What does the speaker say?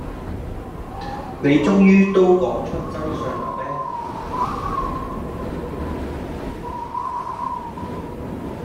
你終於都講出真相喇咩